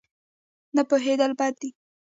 نه پوهېدل بد دی.